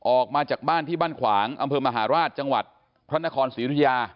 ออกมาจากบ้านที่บ้านขวางอำเภอมหาราชจังหวัดพระนครศรีรุยา